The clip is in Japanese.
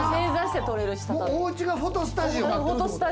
おうちがフォトスタジオ。